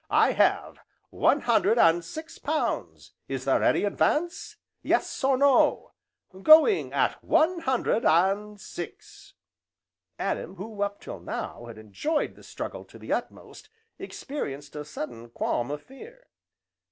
"I have one hundred and six pounds! is there any advance, yes or no? going at one hundred and six!" Adam who, up till now, had enjoyed the struggle to the utmost, experienced a sudden qualm of fear.